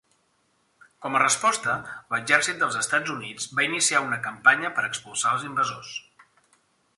Com a resposta, l'exèrcit dels Estats Units va iniciar una campanya per expulsar els invasors.